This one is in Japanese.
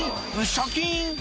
シャキン！